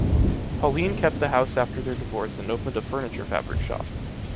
Pauline kept the house after their divorce and opened a furniture fabric shop.